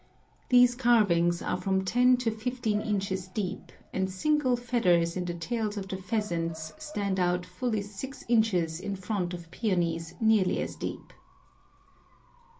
These carvings are from 10 to 15 inches deep, and single feathers in the tails of the pheasants stand out fully 6 inches in front of peonies nearly as deep.